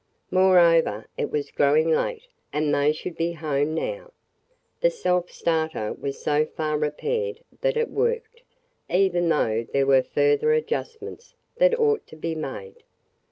Moreover, it was growing late and they should be home now. The self starter was so far repaired that it worked, even though there were further adjustments that ought to be made.